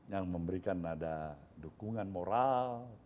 yang memberikan nada dukungan moral